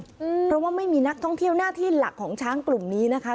เพราะว่าไม่มีนักท่องเที่ยวหน้าที่หลักของช้างกลุ่มนี้นะคะ